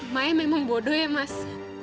maya memang bodoh ya mas